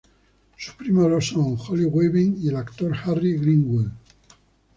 Sus primos son Holly Weaving y el actor Harry Greenwood.